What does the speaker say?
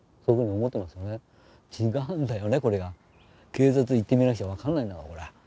警察行ってみなくちゃ分からないんだからこれは。